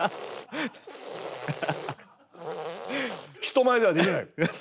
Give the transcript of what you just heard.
人前ではできない。